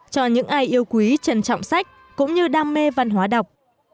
cho những ai yêu quý trân trọng sách cũng như đam mê văn hóa đọc